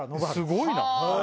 すごいな。